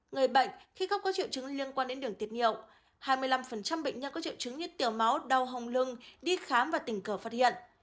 người bệnh khi không có triệu chứng liên quan đến đường tiệt hai mươi năm bệnh nhân có triệu chứng như tiểu máu đau hồng lưng đi khám và tình cờ phát hiện